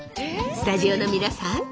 スタジオの皆さん